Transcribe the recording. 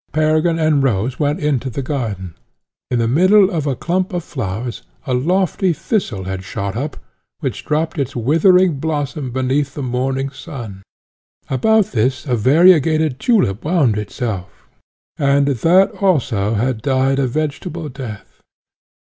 Peregrine and Rose went into the garden. In the middle of a clump of flowers a lofty thistle had shot up, which drooped its withering blossom beneath the morning sun; about this a variegated tulip wound itself, and that also had died a vegetable death.